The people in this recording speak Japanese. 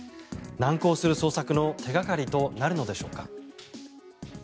難航する捜索の手掛かりとなるのでしょうか。